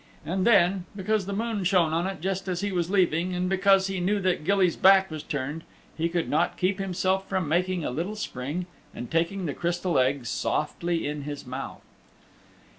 And then because the moon shone on it just as he was leaving, and because he knew that Gilly's back was turned, he could not keep himself from making a little spring and taking the Crystal Egg softly in his mouth.